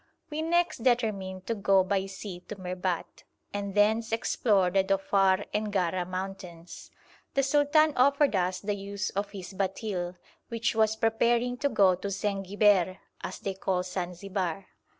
We next determined to go by sea to Merbat, and thence explore the Dhofar and Gara mountains. The sultan offered us the use of his batil, which was preparing to go to Zenghiber, as they call Zanzibar.